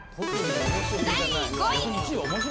第５位。